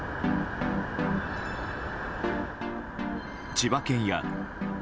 千葉県や。